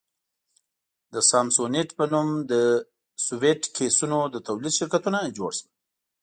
د سامسونیټ په نوم د سویټ کېسونو د تولید شرکتونه جوړ شول.